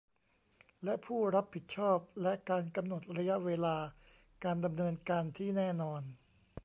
และ ผู้รับผิดชอบ และการกำหนดระยะเวลาการดำเนินการที่แน่นอน